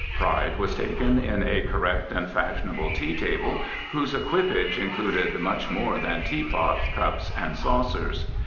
Pride was taken in a correct and fashionable tea table whose equipage included much more than teapot, cups, and saucers.